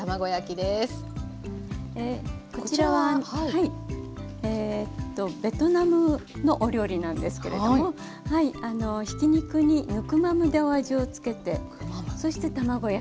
こちらはベトナムのお料理なんですけれどもひき肉にヌクマムでお味をつけてそして卵焼きにしてるんですね。